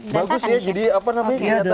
bagus ya jadi apa namanya